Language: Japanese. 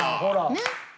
ねっ。